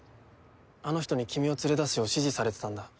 あの人に君を連れ出すよう指示されてたんだ。